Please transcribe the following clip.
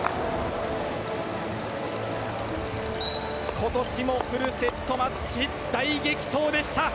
今年もフルセットマッチ大激闘でした。